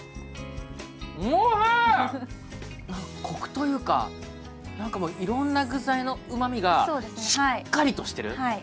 コクというかなんかいろんな具材のうまみがしっかりとしてる。